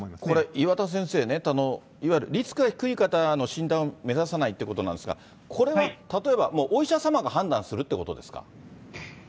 これ、岩田先生ね、いわゆるリスクが低い方の診断を目指さないということなんですが、これは、例えばもう、お医者様が判断するということですか。